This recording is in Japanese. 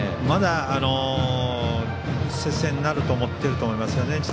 まだ接戦になると思っていると思いますね。